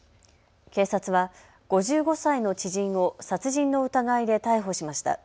警察は５５歳の知人を殺人の疑いで逮捕しました。